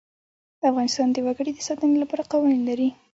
افغانستان د وګړي د ساتنې لپاره قوانین لري.